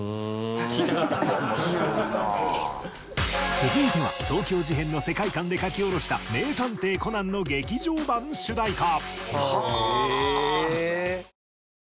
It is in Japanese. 続いては東京事変の世界観で書き下ろした『名探偵コナン』の劇場版主題歌。